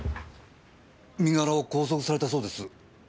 身柄を拘束されたそうです。